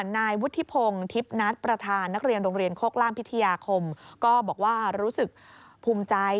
นักเรียนโรงเรียนโฆกล่ามพิทยาคมก็บอกว่ารู้สึกภูมิใจ